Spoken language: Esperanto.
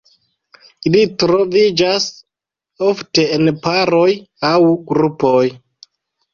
Ili troviĝas ofte en paroj aŭ grupoj.